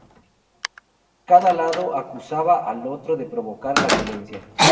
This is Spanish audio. Cada lado acusaba al otro de provocar la violencia.